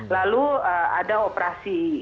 lalu ada operasi